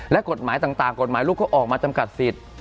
และกฎหมายต่างลูกเค้าออกมาจำกัดสิทธิ์